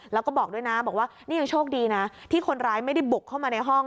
แล้วก็บอกด้วยนะบอกว่านี่ยังโชคดีนะที่คนร้ายไม่ได้บุกเข้ามาในห้อง